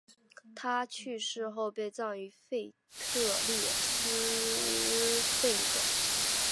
他去世后被葬于腓特烈斯贝的。